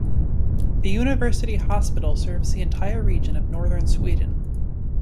The university hospital serves the entire region of northern Sweden.